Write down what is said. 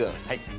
はい。